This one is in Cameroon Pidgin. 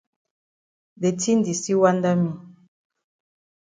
De tin di still wanda me.